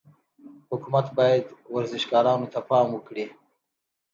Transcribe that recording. حکومت باید ورزشکارانو ته پام وکړي.